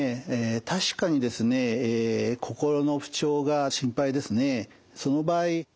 確かにですね心の不調が心配ですね。